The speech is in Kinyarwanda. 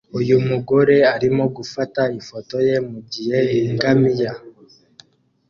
Uyu mugore arimo gufata ifoto ye mugihe ingamiya